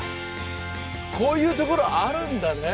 こういうところあるんだね。